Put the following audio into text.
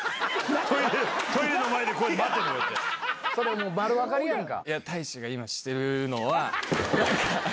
もう丸分かりやんか！